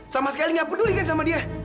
sama sekali nggak peduli kan sama dia